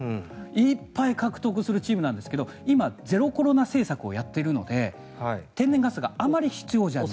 いっぱい獲得するチームなんですが今、ゼロコロナ政策をやっているので天然ガスがあまり必要じゃない。